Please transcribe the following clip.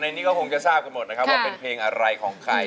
นี้ก็คงจะทราบกันหมดนะครับว่าเป็นเพลงอะไรของใคร